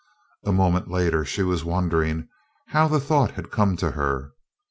A moment later she was wondering how the thought had come to her.